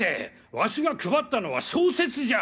ワシが配ったのは小説じゃ！